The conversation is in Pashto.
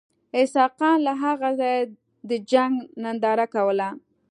اسحق خان له هغه ځایه د جنګ ننداره کوله.